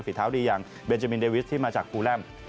เท้าดีอย่างเบนจามินเดวิสที่มาจากปูแลม